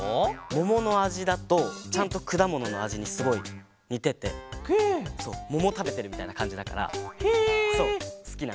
もものあじだとちゃんとくだもののあじにすごいにててももたべてるみたいなかんじだからすきなんだ。